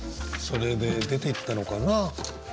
それで出ていったのかな？